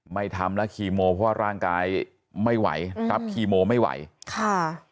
ไม่ทำแล้วคีโมเพราะว่าร่างกายไม่ไหวรับคีโมไม่ไหวค่ะ